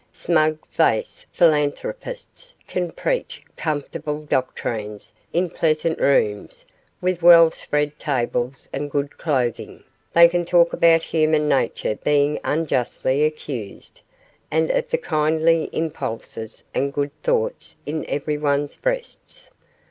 Smug faced philanthropists can preach comfortable doctrines in pleasant rooms with well spread tables and good clothing; they can talk about human nature being unjustly accused, and of the kindly impulses and good thoughts in everyone's breasts.